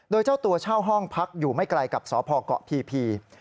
โดยเจ้าตัวเช่าห้องพักอยู่ไม่ไกลกับสพเกาะพี